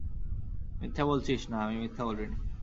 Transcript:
মিথ্যা বলছিস, - না, আমি মিথ্যা বলিনি।